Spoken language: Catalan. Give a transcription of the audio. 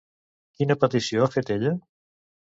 Quina petició ha fet ella?